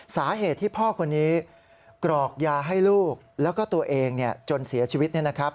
สาเหตุที่พ่อคนนี้กรอกยาให้ลูกแล้วก็ตัวเองจนเสียชีวิต